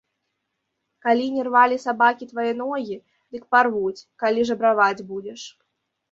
Калі не рвалі сабакі твае ногі, дык парвуць, калі жабраваць будзеш.